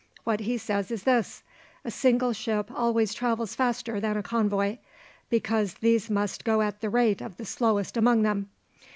What he says is this: 'A single ship always travels faster than a convoy, because these must go at the rate of the slowest among them.